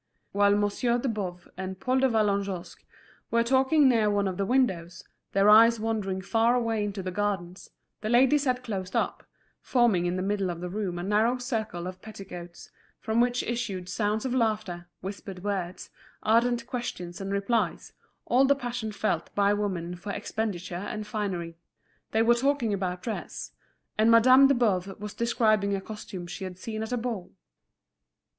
While Monsieur de Boves and Paul de Vallagnosc were talking near one of the windows, their eyes wandering far away into the gardens, the ladies had closed up, forming in the middle of the room a narrow circle of petticoats, from which issued sounds of laughter, whispered words, ardent questions and replies, all the passion felt by woman for expenditure and finery. They were talking about dress, and Madame de Boves was describing a costume she had seen at a ball.